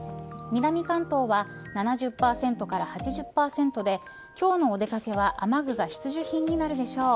南関東は７０％から８０％で今日のお出掛けは雨具が必需品になるでしょう。